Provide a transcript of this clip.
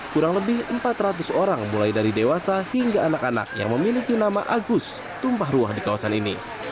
kurang lebih empat ratus orang mulai dari dewasa hingga anak anak yang memiliki nama agus tumpah ruah di kawasan ini